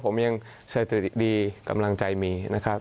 ผมสะติดีกำลังใจนะครับ